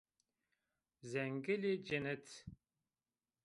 Zengilî cinit